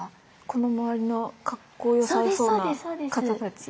この周りのかっこよさそうな方たち。